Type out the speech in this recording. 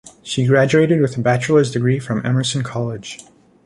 She graduated with a bachelor's degree from Emerson College.